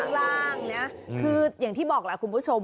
ทุกร่างเนี่ยคืออย่างที่บอกหลายคุณผู้ชม